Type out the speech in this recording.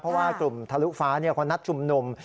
เพราะว่ากลุ่มทะลุฟ้าเขานัดชุมนุม